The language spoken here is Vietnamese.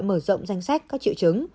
mở rộng danh sách các triệu chứng